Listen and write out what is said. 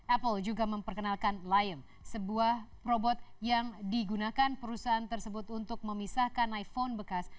apple juga memperkenalkan lion sebuah robot yang digunakan perusahaan tersebut untuk memisahkan iphone bekas